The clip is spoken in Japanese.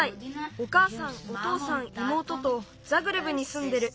おかあさんおとうさんいもうととザグレブにすんでる。